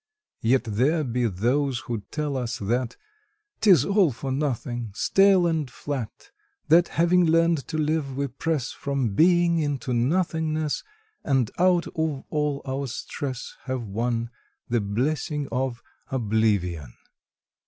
Yet there be those who tell us that Tis all for nothing, stale and flat; That, having learned to live, we press From Being into Nothingness, And out of all our stress have won The blessing of Oblivion!